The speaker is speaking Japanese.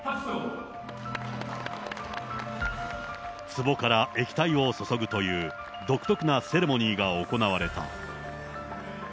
つぼから液体を注ぐという、独特なセレモニーが行われた。